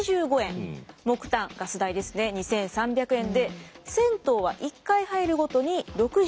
木炭ガス代ですね２，３００円で銭湯は１回入るごとに６５円。